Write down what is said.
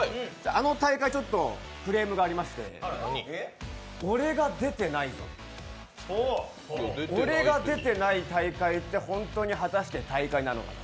あの大会、クレームがありまして俺が出てない、俺が出てない大会って本当に果して大会なのか。